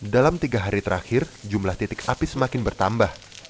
dalam tiga hari terakhir jumlah titik api semakin bertambah